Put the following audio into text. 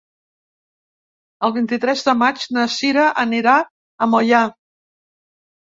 El vint-i-tres de maig na Cira anirà a Moià.